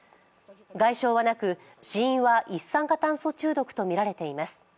外傷はなく死因は一酸化炭素中毒とみられています。